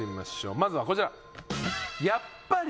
まずはこちら。